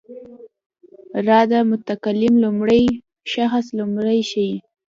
را د متکلم لومړی شخص لوری ښيي.